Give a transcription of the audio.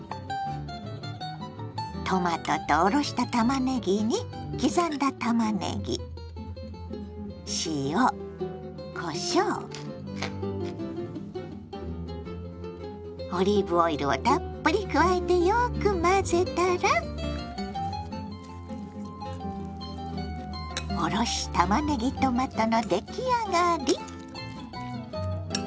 トマトとおろしたたまねぎに刻んだたまねぎ塩こしょうオリーブオイルをたっぷり加えてよく混ぜたら「おろしたまねぎトマト」の出来上がり。